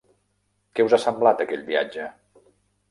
Què us ha semblat aquell viatge?